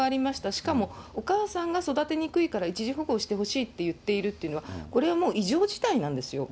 しかもお母さんが育てにくいから一時保護してほしいと言っているっていうのは、これはもう異常事態なんですよ。